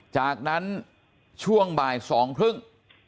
จากนั้นช่วงบ่ายสองครึ่ง